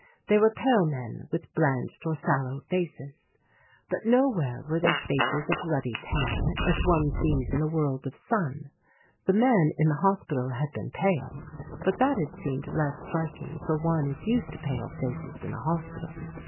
They were pale men, with blanched or sallow faces. But nowhere were there faces of ruddy tan as one sees in a world of sun. The men in the hospital had been pale, but that had seemed less striking for one is used to pale faces in a hospital.